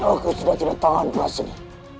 aku sudah tiba tiba tahan kelas ini